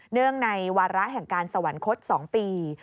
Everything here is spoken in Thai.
เนื่องในวาระแห่งการสวรรคต๒ปี